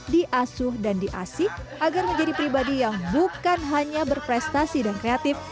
diasuh dan diasih agar menjadi pribadi yang bukan hanya berprestasi dan kreatif